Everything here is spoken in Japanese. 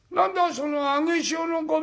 その『上げ潮のごみ』